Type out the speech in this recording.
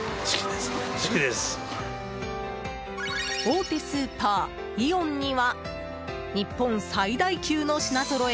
大手スーパー、イオンには日本最大級の品ぞろえ！